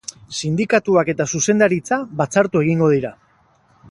Sindikatuak eta zuzendaritza batzartu egingo dira.